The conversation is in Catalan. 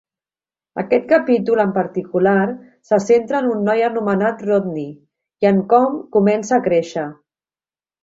Aquest capítol en particular se centra en un noi anomenat Rodney i en com comença a créixer.